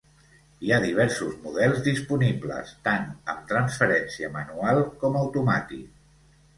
Hi ha diversos models disponibles, tan amb transferència manual com automàtic.